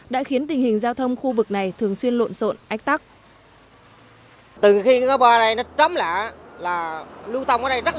đã khiến tình hình giao thông khu vực này thường xuyên lộn xộn ách tắc